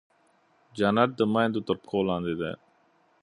جنت د مېندو تر پښو لاندې دی.